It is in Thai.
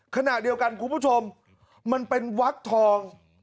ขณะเดียวกันคุณผู้ชมมันเป็นวักทอง